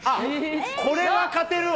これは勝てるわ。